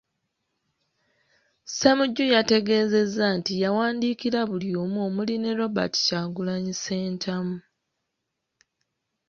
Ssemujju yategeezezza nti yawandiikira buli omu omuli ne Robert Kyagulanyi Ssentamu.